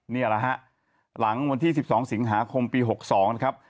นี่แหละฮะหลังวันที่๑๒สิงหาคมปี๖๒นะครับ